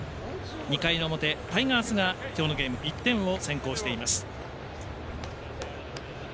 ２回の表、タイガースが今日のゲーム１点を先行しています。